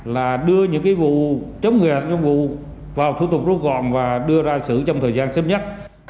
là đưa những vụ chống người hành công vụ vào thủ tục rút gọn và đưa ra xử trong thời gian sớm nhất